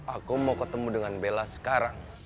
aku mau ketemu dengan bella sekarang